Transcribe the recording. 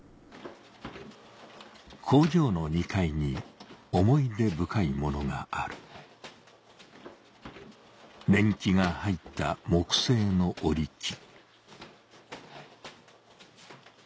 工場の２階に思い出深い物がある年季が入った木製の織り機